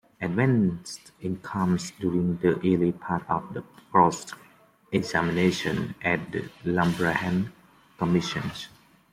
Advani's innocence during the early part of his cross-examination at the Liberhan Commission.